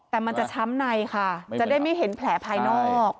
แต่มันจะช้ำในค่ะจะได้ไม่เห็นแผลภายนอก